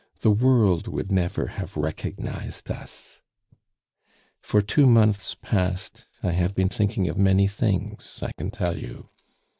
The world would never have recognized us. "For two months past I have been thinking of many things, I can tell you.